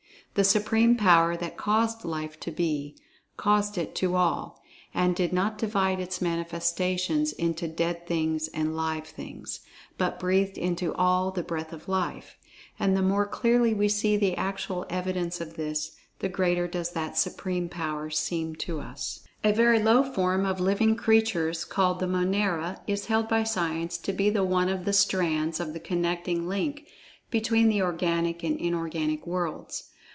The Supreme Power that caused Life to Be, caused it to All, and did not divide Its manifestations into Dead Things and Live Things, but breathed into all the Breath of Life. And the[Pg 48] more clearly we see the actual evidence of this, the greater does that Supreme Power seem to us. A very low form of living creatures called the Monera, is held by Science to be the one of the strands of the connecting link between the organic and inorganic worlds.